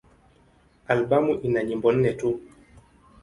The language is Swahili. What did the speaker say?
Albamu ina nyimbo nne tu.